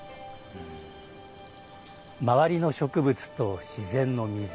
周りの植物と自然の水。